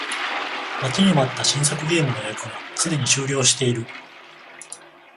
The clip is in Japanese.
待ちに待った新作ゲームの予約がすでに終了している